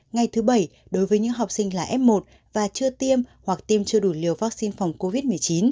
ngày thứ bảy đối với những học sinh là f một và chưa tiêm hoặc tiêm chưa đủ liều vaccine phòng covid một mươi chín